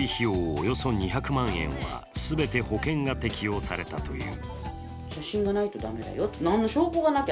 およそ２００万円は全て保険が適用されたという。